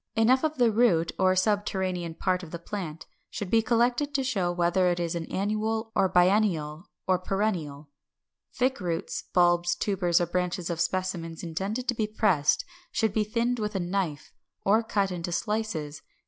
Enough of the root or subterranean part of the plant should be collected to show whether it is an annual, a biennial, or a perennial. Thick roots, bulbs, tubers, or branches of specimens intended to be pressed should be thinned with a knife, or cut into slices.